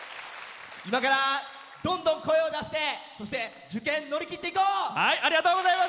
今から、どんどん声を出してそして受験、乗り切っていこう！